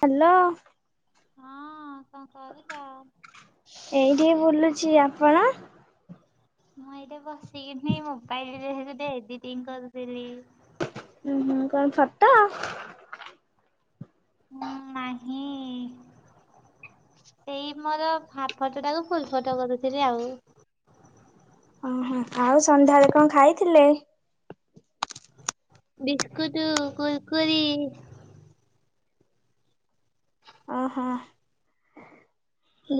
Hello. ହଁ କଣ କରୁଛ? ଏଇଠି ବୁଲୁଛି। ଆପଣ? ମୁଁ ଏଇଠେ ବସିକିନି ମୋବାଇଲରେ ହେ ଗୁଟେ ଏଡିଟିଂ କରୁଥିଲି। ଉ ହୁଁ, କଣ ଫଟ? ହୁଁ, ନାହିଁ ଏଇ ମୋର ହାପ୍ ଫଟୋ ଟାକୁ ଫୁଲ୍ ଫଟୋ କରୁଥିଲି ଆଉ। ଆଁ ହ, ଆଉ ସନ୍ଧ୍ୟାବେଳେ କଣ ଖାଇଥିଲେ? ବିସ୍କୁଟ କୁରୁକୁରି ଆଁ ହ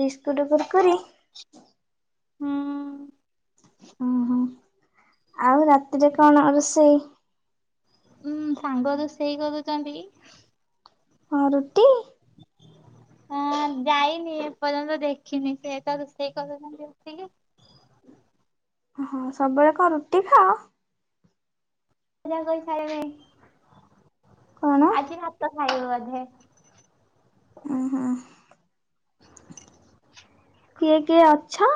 ବିସ୍କୁଟ କୁରକୁରି? ହୁଁ। ଓହୋ। ଆଉ ରାତିରେ କଣ ରୋଷେଇ? ଉୁଁ ସାଙ୍ଗ ରୋଷେଇ କରୁଛନ୍ତି। ହଁ ରୁଟି? ହଁ, ଯାଇନି ଏପର୍ଯ୍ୟନ୍ତ ଦେଖିନି ସେ ତ ରୋଷେଇ କରୁଛନ୍ତି ଉଠିକି। ହଁ, ସବୁବେଳେ କଣ ରୁଟି ଖାଅ? ପୁଜା କରିସାଇଲେଣି। କଣ ଆଜି ଭାତ ଖାଇବ ବୋଧେ। ଉଁ ହୁଁ। କିଏ କିଏ ଅଛ?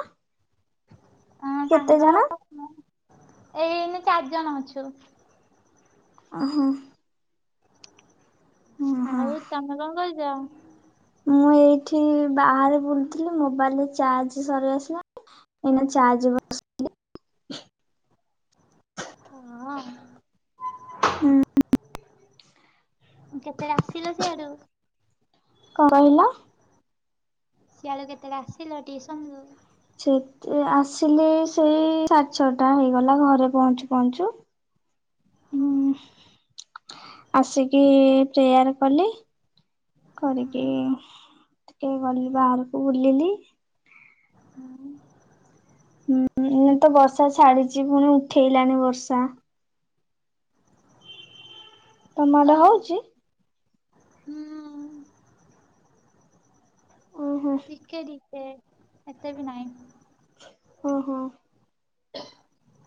ହ କେତେ ସାଙ୍ଗ ଜଣ ଏଇନେ ଚାରି ଜଣ ଅଛୁ। ଆଁ ହଁ। ହଁ ଆଉ ତମେ କଣ କରୁଛ? ମୁଁ ଏଇଠି ବାହାରେ ବୁଲୁଥିଲି ମୋବାଇଲରେ ଚାର୍ଜ ସରି ଆସିଲାଣି ଏନା ଚାର୍ଜ ବସେଇଦେବି। ହଁ। ହୁଁ। କେତେବେଳେ ଆସିଲ ସିଆଡୁ? କଣ କହିଲ? ସିଆଳୁ କେତେବେଳେ ଆସିଲ ଟିସନ ରୁ? ସେ ତି ଆସିଲେ ସେଇ ସାଢେ ଛଅଟା ହେଇଗଲା ଘରେ ପହଞ୍ଚୁ ପହଞ୍ଚୁ। ଓ ହଁ ଆସିକି ପ୍ରେୟାର କଲି କରିକି ଟିକେ ଗଲି ବାହାରକୁ ବୁଲିଲି। ହଁ। ହୁଁ ଏଣେ ତ ବର୍ଷା ଛାଡିଛି। ପୁଣି ଉଠେଇଲାଣି ବର୍ଷା। ତମ ଆଡେ ହଉଚି? ହୁଁ। ଓହୋ ଟିକେ ଟିକେ ଏତେ ବି ନାହିଁ ଓ ହୋ [unintelligible]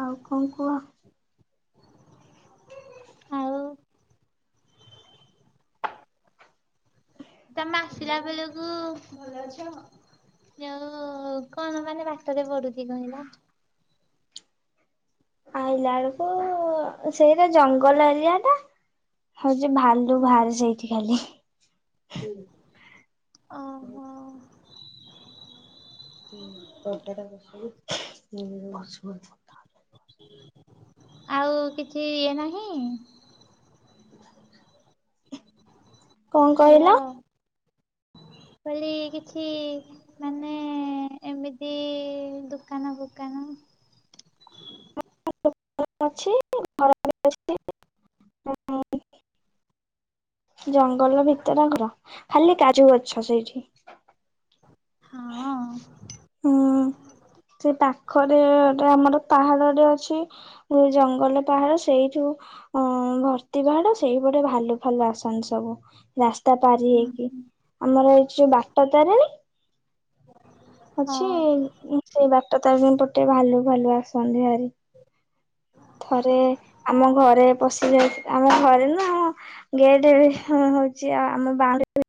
ଆଉ କଣ କୁହ? ଆଉ ତମେ ଆସିଲା ବେଳକୁ, ଭଲ ଅଛ? ଆ କଣ ମାନେ ବାଟରେ ପଡୁଛି କହିଲ? ଆଇଲା ବେଳକୁ ସେଇଟା ଜଙ୍ଗଲ ଏରିଆ ଟା ଆଜି ଭାଲୁ ବାହାରିଛନ୍ତି ଖାଲି ଓହୋ [unintelligible] ଆଉ କିଛି ଇଏ ନାହିଁ କଣ କହିଲ? [inaudible] କହିଲ କିଛି ମାନେ ଏମିତି ଦୋକାନ ଫୋକାନ [inaudible] [unintelligible] ଜଙ୍ଗଲର ଭିତର ଘର ଖାଲି କାଜୁ ଗଛ ସେଇଠି ହଁ ହୁଁ ସେ ପାଖରେ ଆମର ପାହାଡ ଟେ ଜଙ୍ଗଲ ପାହାଡ ସେଇଠୁ ଭର୍ତ୍ତି ପାହାଡ ସେଇ ଗୋଟେ ଭାଲୁ ଫାଲୁ ରାସନ ସବୁ ରାସ୍ତା ପାରି ହେଇକି ଆମର ଏଇ ଯୋଉ ବାଟ ତାରିଣୀ ଅଛି ସେଇ ବାଟତାରିଣୀ ପଟେ ଭାଲୁ ଭାଲୁ ଆସନ୍ତି ଭାରି [inaudible] ଥରେ ଆମ ଘରେ ପଶିଯାଇ ଆମ ଘରେ ନା ଆମ ଗେଟ ଏବେ ହ [unintelligible]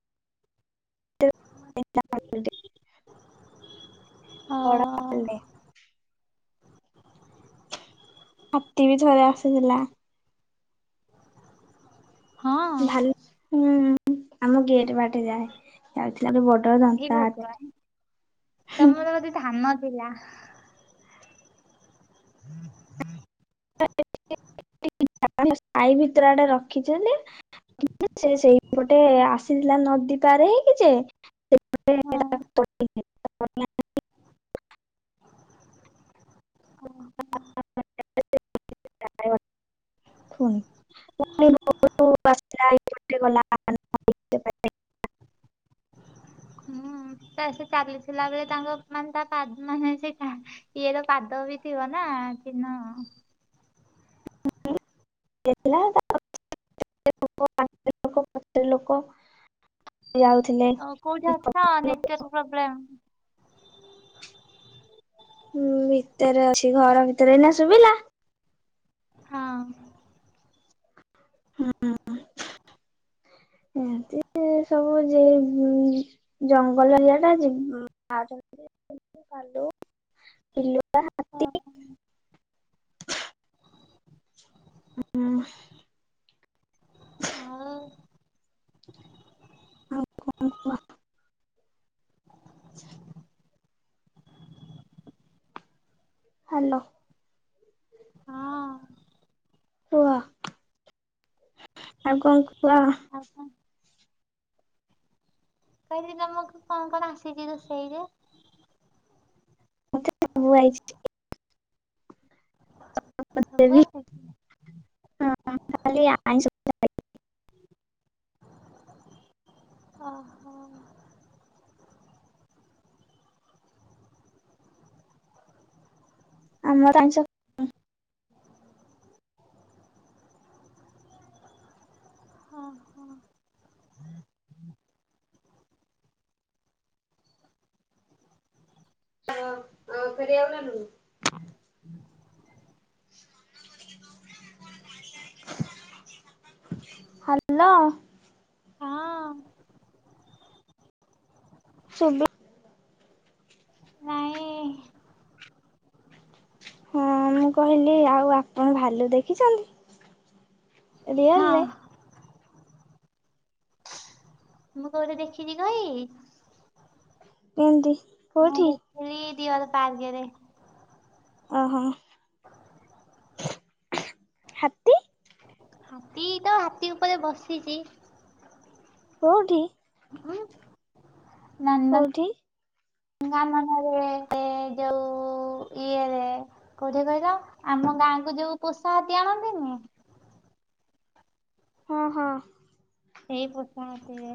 ହଁ ଅଁ ହାତୀ ବି ଥରେ ଆସିଥିଲା। ହଁ ଭାଲୁ, ହୁଁ, ଆମ ଗେଟ୍ ବାଟେ ଯାଏ ଯାଉଥିଲା ଗେ ବ ଏ ଭଗବାନ ତମର ବୋଧେ ଧାନ ଥିଲା। [unintelligible] ସାଇ ଭିତର ଆଡେ ରଖିଛନ୍ତି। ସେ ସେଇପଟେ ଆସିଥିଲା ନଦୀପାର ହେଇକି ଯେ- ସେ ହଁ [unintelligible] [unintelligible] [unintelligible] ପୁଣି ପଣି ଆସିଲ ଗୋଟେ ଗଲା [unintelligible] [unintelligible] [inaudible] ହୁଁ ତା ସେ ଚାଲିଥିଲା ବେଳେ ତାଙ୍କ ମାନେ ତା ପା ମାନେ ସେ ଇଏର ପାଦ [unintelligible] ନା ଚିହ୍ନ। [unintelligible] [unintelligible] ଓ କୋଉଠି ଅଛ? ନେଟୱାର୍କ ପ୍ରୋବ୍ଲେମ୍ ହଁ ଭିତରେ ଅଛି। ଘର ଭିତରେ ଏଇନା ଶୁଭିଲା? ହଁ ଅଁ ହଁ [unintelligible] ସେ ସବୁ ଯ ଜଙ୍ଗଲ ଏରିଆ ଟା ଯେ ଭାଲୁ ବିଲୁଆ ହଁ ହଁ ଅଁ ହଁ ଆଉ କଣ କୁହ? ହାଲୋ। ହଁ। କୁହ? ଆଉ କଣ କୁହ? କଣ ମୁଁ କହିଲି ତମକୁ କଣ କଣ ଆସିଚି ରୁଷେଇରେ? ମତେ ସବୁ ଆଇଚି। ସବୁ ଦେବି ଆସିଛି। ହଁ ଖାଲି ଆଇଁଷକୁ ଛାଡିକି। ଅହଁ। ଆମର ଆଇଁଷ ଅହଁ। ଅଁ ଅଁ ଫେରେଇବା କୁ ନେଲୁ। [unintelligible] ହାଲୋ। ହଁ। ଶୁବିଲା। ନାଇଁ। ହଁ ମୁଁ କହିଲି ଆଉ ଆପଣ ଭାଲୁ ଦେଖିଛନ୍ତି? ହଁ ରିୟଲରେ? ମୁଁ କେଉଁଠି ଦେଖିଛି କହିବି? କେନ୍ତୀ। ମୁଁ ଦେଖିଥିଲି ଡିଅର୍ ପାର୍କେରେ। ଅହଁ। ହାତୀ। ହାତୀ ତ ହାତୀ ଉପରେ ବସିଚି। କୋଉଠି? [unintelligible] କୋଉଠି? [unintelligible] ଏଁ ଯୋଉ ଇଏରେ କୋଉଠେ କହିଲ ଆ ଆମ ଗାଁକୁ ଯୋଉ ପୋଶା ହାତୀ ଆଣନ୍ତିନି? [inaudible] ହଁ ହଁ। ସେଇ ପୋଷା ହାତୀ ଯେ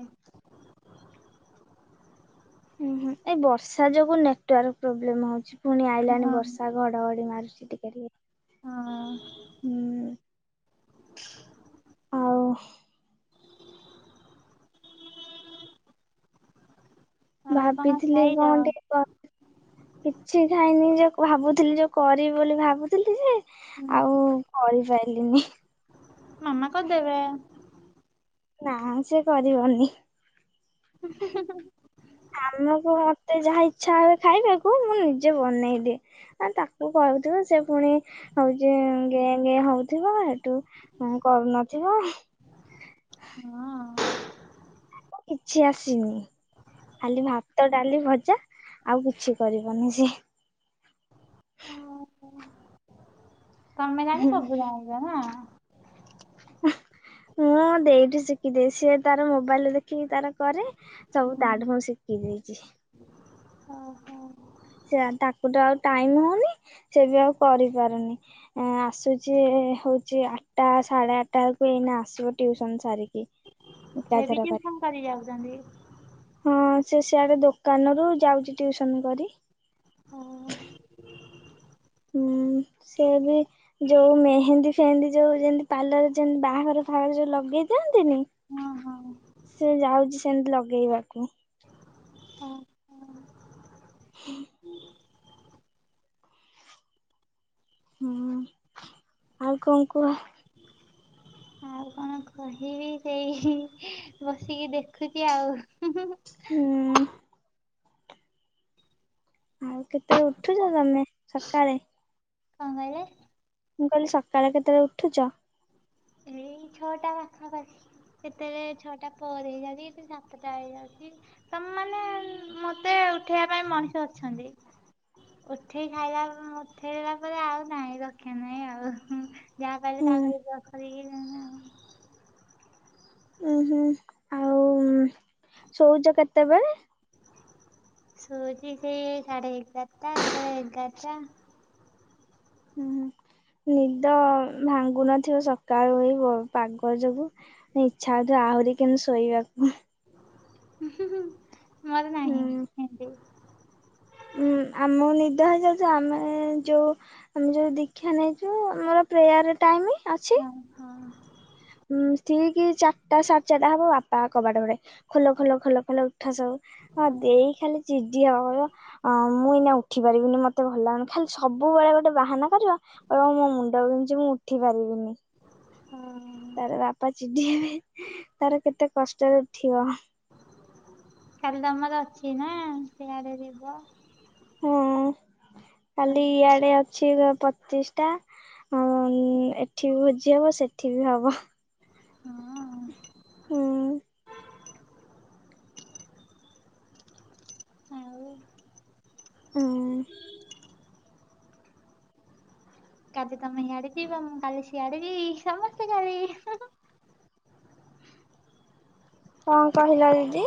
ଉଁହୁଁ ଏଇ ବର୍ଷା ଯୋଗୁ ନେଟୱାର୍କ ପ୍ରୋବ୍ଲେମ୍ ହୋଉଛି। ଫୁଣି ଆଇଲାଣି ହଁ ବର୍ଷା ଘଡ଼ଘଡ଼ି ମାରୁଚି ଟିକେ ଟିକେ। ହଁ। ହୁଁ। [inaudible] ଆଉ ଆଉ କଣ ଭାବିଥିଲି କଁ ଖାଇଛ ଗୋଟେ କ କିଛି ଖାଇନି ଯେ ଭାବୁଥିଲି ଯୋଉ କରି ବୋଲି ଭାବୁଥିଲି ଯେ ହୁଁ ଆଉ କରିପାଇଲିନି। ମାମା କରିଦେବେ। ନା ସେ କରିବନି ଆମୁକୁ ଭା ମତେ ଯାହା ଇଚ୍ଛା ହୁଏ। ଖାଇବାକୁ ମୁଁ ନିଜେ ବନେଇଦିଏ। ଆଉ ତାକୁ କହୁଥିବ ସେ ଫୁଣି ହୋଉଚି ଗେଁ ଗେଁ ହୋଉଥୁବ ହେଟୁ ଉଁ କରୁନଥିବ। ହଁଅଁ। କିଛି ଆସିନି। ଖାଲି ଭାତ ଡାଲି ଭଜା ଆଉ କିଛି କରିବନି ସିଏ। ତମେ ଜାଣି ସବୁ ଜାଣିଚ ନା। ମୁଁ ଦେଇଠି ଶିଖିଦିଏ ସିଏ ତାର ମୋବାଇଲ ଦେଖିକି ତାର। କରେ ସବୁ ହୁଁ ତାଠୁ ମୁ ଶିଖି ଦେଇଛି। ଓ ହୋ। ସେ ତାକୁ ତ ଆଉ ଟାଇମ୍ ହଉନି ସେ ବି ଆଉ କରିପାରୁନି ଆସୁଛି। ହଉଛି ଆଠଟା ସାଢ଼େ ଆଠଟା ବେଳକୁ ଏଇନେ ଆସିବ ଟିଉସନ ସାରିକି। ହେବିକି ଏକାଥରକରେ ଫମ କରି ଯାଉଛନ୍ତି। ହଁ ସେ ସିଆଡ଼େ ଦୋକାନରୁୁ ଯାଉଛି ଟିଉସନ କରି। ହଁ। ହୁଁ ସେମିତି ଯୋଉ ଯେମିତି ପାର୍ଲରରେ ଯେମିତି ବାଘର ଫାର ଯୋଉ ଲଗେଇଥାଆନ୍ତି ନି। ଥାଆନ୍ତି ନି ହଁ ସେ ଯାଉଛି ସେମିତି ଲଗେଇବାକୁ। ଓ ହ। ହୁଁ ହୁଁ ଆ କଣ କୁହ? ଆଉ କଣ କହିବି ସେଇ ବସିକି ଦେଖୁଛି ଆଉ। ହୁଁ ହୁଁ ହୁଁ। ଆଉ କେତେବେଳେ ଉଠୁଛ ତମେ ସକାଳେ। କଣ କହିଲେ? ମୁଁ କହିଲି ସକାଳେ କେତେବେଳେ ଉଠୁଛ? ଏଇ ଛଅଟା ପାଖାପାଖି କେତେବେଳେ ଛଅଟା ପରେ ହେଇଯାଉଛି ସାତଟା ହେଇଯାଉଛି ତମେ। ମାନେ ମତେ ଉଠେଇବା ପାଇଁ ମଣିଷ ଅଛନ୍ତି। ଉଠେଇ ଖାଇଲା ଉଠେଇଲା ପରେ ଆଉ ନାହିଁ ରକ୍ଷା ନାହିଁ ଆଉ ଯାହା କହିଲେ ତା ହୁଁ। ଉପରେ ଅସରାଇକି। ଉଁ ହୁଁ ଆଉ ଶୋଉଛ କେତେବେଳେ। ଶୋଉଛି ସେ ସାଢ଼େ ଏଗର୍ ଟା ନହେଲେ ଏଗାର୍ ଟା। ହୁଁ ହୁଁ ନିଦ ଭାଙ୍ଗୁନଥିବ ସକାଳୁ ପାଗ ଯୋଗୁ ଇଚ୍ଛା ଆହୁରି। ଆହୁରି କେମିତି ଶୋଇବାକୁ। ମୋର ନାହିଁ ହୁଁ। ଆମକୁ ନିଦ ହେଇଯାଉଛି ଆମେ ଯେଉଁ ଆମେ ଯେଉଁ ଦୀକ୍ଷା ନେଇଛୁ ଆମର ପ୍ରେୟାର ଟାଇମି। ହଁ ହଁ। ଉଁ ଠି ଚାରିଟା ସାଢ଼େ ଚାରିଟା ହବ ବାପା କବାଟୋରେ ଖୋଲ ଖୋଲ ଖୋଲ ଖୋଲ। ଉଠା ସବୁ ହଁ ଦେଇ ଖାଲି। ଯିଏ କହ ମୁଁ ଏଇନା ଉଠି ପାରିବିନି ମତେ ଭଲ ଲାଗନି ଖାଲି ସବୁବେଳେ ଗୋଟେ ବାହାନା କରିବା। ହଉ ମୋ ମୁଣ୍ଡ ବୁଛି ମୁଁ ଉଠି ପାରିବିନି। ହଁୁ। ତାର ବାପା ଚିଡିବେ ତାର କେତେ କଷ୍ଟରେ ଉଠିବ। କାଲି ତମର ଅଛି ନା ସେଆଡ଼େ ଯିବ। ହଁ ହଁ କାଲି ଇଆଡେ ଅଛି। ପଚିଶ ଟା ଏଠି ବି ଭୋଜି ହବ ସେଠି ବି ହବ। ହଁ। ହୁଁ ଆଉ। ହଁ। କାଲି ତମେ ିଆଡେ ଯ ବା ମୁଁ କାଲି ସିଆଡେ ଯି ସମସ୍ତେ କାଲି। କଣ କହିଲ ଦିଦି?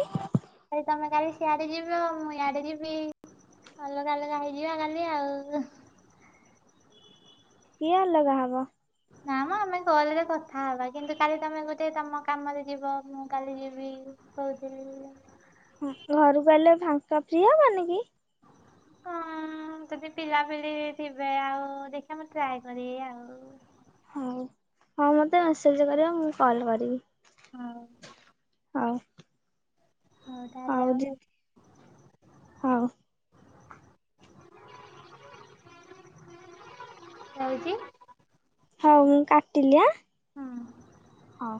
କଲି ତମେ କାଲି ସିଆଡେ ଯିବି ଆ ମୁଁ ଇଆଡେ ଯିବି। ଅଲଗା ଅଲଗା ହେଇଯିବା କାଲି ଆଉ କିଏ ଲଗା ହବ। ମେ ଗଲେରେ କଥା ହବା କିନ୍ତୁ କାଲି ତମେ ଗୋଟେ ତମ କାମରେ ଯିବ ମୁଁ କାଲି ଯିବି କହୁଥିଲି। ହ ଘରୁକୁ ଅଇଲେ ଫାଙ୍କା ଫ୍ରି ହବନି କି? ହଁ ଯଦି ପିଲାପିଲି ଥିବେ ଆଉ ଦେଖିବା ମୁଁ ଟ୍ରାଏ କରିବି ଆଉ। ହଉ ହଉ ମତେ ମେସେଜ କରିବ ମୁଁ କଲ୍ କରିବି। ହୋଉ। ହଉ। ହଉ ଯଦି ଆଉ ହୋଉ। ରହୁଚି। ହଉ ମୁଁ କାଟିଲି ଆଁ ହଉ।